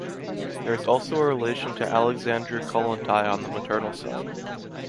There is also a relation to Alexandra Kollontai on the maternal side.